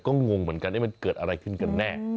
ก็งงเหมือนกันมันเกิดอะไรขึ้นกันแน่